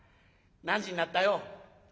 何時になったよ？」。